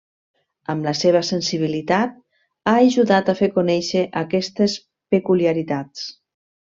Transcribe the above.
Amb la seva sensibilitat ha ajudat a fer conèixer aquestes peculiaritats.